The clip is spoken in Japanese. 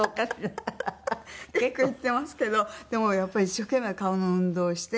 結構いってますけどでもやっぱり一生懸命顔の運動をして。